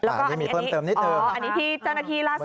อันนี้เจ้าหน้าที่ล่าสุด